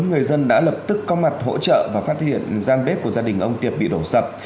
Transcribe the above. người dân đã lập tức có mặt hỗ trợ và phát hiện giang bếp của gia đình ông tiệp bị đổ sập